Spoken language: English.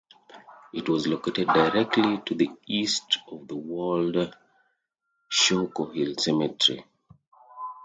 It was located directly to the east of the walled Shockoe Hill Cemetery.